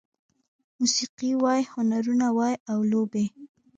موسيقي وای، هنرونه وای او لوبې